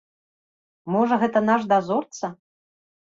Можа, гэта наш дазорца?